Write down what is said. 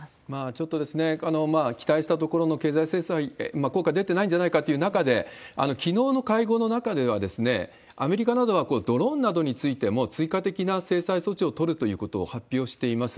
ちょっと期待したところの経済制裁、効果は出てないんじゃないかという中で、きのうの会合の中では、アメリカなどはドローンなどについても追加的な制裁措置を取るということを発表しています。